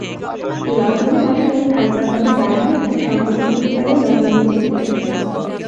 লণ্ডনে মাস কয়েক থাকবার মত টাকা এখানে সংগ্রহ করতে পারলে লণ্ডনেও যেতে পারি।